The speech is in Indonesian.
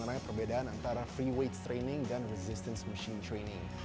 freeweight training itu adalah perbedaan antara freeweight training dan resistance machine training